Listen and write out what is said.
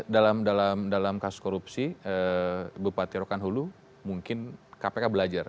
dalam kasus korupsi bupati rokan hulu mungkin kpk belajar